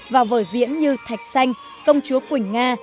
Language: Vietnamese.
vào vở diễn như thạch xanh công chúa quỳnh nga